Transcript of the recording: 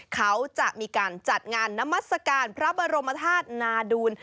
เขาจะมีการจัดงานนามัศกาลพระบรมธาตุนาดูล